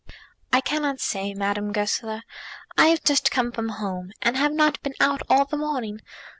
"I cannot say, Madame Goesler. I have just come from home, and have not been out all the morning.